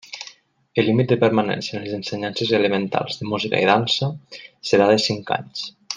El límit de permanència en les ensenyances elementals de Música i Dansa serà de cinc anys.